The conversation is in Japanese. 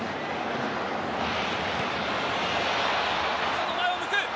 ここも前を向く。